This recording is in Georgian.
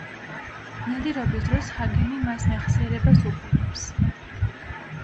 ნადირობის დროს ჰაგენი მას მეხსიერებას უბრუნებს.